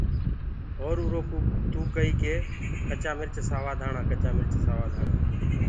اور اُرو ڪوُ تو ڪئيٚ ڪي چآ مِرچ سوآ ڌآڻآ ڪچآ مرچ سوآ ڌآڻآ۔